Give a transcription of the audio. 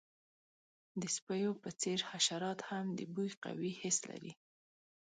د سپیو په څیر، حشرات هم د بوی قوي حس لري.